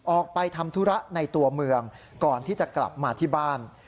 ออกไปทำธุระในตัวเมืองก่อนที่จะกลับมาที่บ้าน